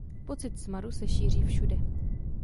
Pocit zmaru se šíří všude.